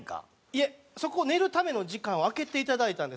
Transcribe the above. いえ寝るための時間を空けていただいたんです。